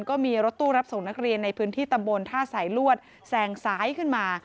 ก็มีรถตู้รับส่งนักเรียนในพื้นที่ตำบลท่าสายลวดแซงซ้ายขึ้นมา